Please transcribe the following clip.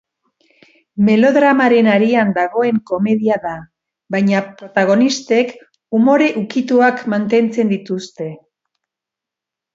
Melodramaren harian dagoen komedia da, baina protagonistek umore ukituak mantentzen dituzte.